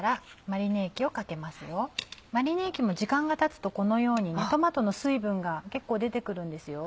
マリネ液も時間がたつとこのようにトマトの水分が結構出て来るんですよ。